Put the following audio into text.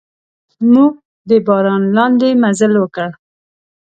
موږ د باران لاندې مزل وکړ.